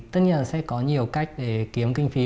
tất nhiên là sẽ có nhiều cách để kiếm kinh phí